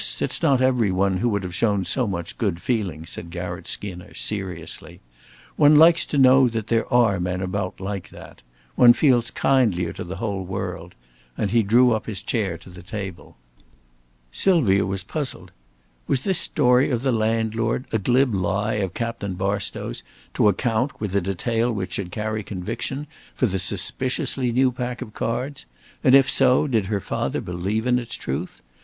It's not every one who would have shown so much good feeling," said Garratt Skinner, seriously. "One likes to know that there are men about like that. One feels kindlier to the whole world"; and he drew up his chair to the table. Sylvia was puzzled. Was this story of the landlord a glib lie of Captain Barstow's to account, with a detail which should carry conviction, for the suspiciously new pack of cards? And if so, did her father believe in its truth?